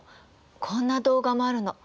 こんな動画もあるの。